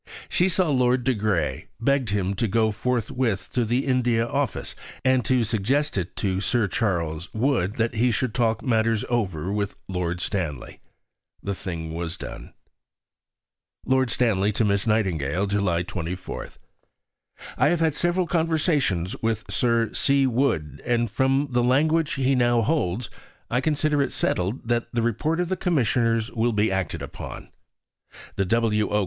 She saw Lord de Grey, begged him to go forthwith to the India Office, and to suggest to Sir Charles Wood that he should talk matters over with Lord Stanley. The thing was done: (Lord Stanley to Miss Nightingale.) July 24. I have had several conversations with Sir C. Wood, and from the language he now holds, I consider it settled that the report of the commissioners will be acted upon the W.O.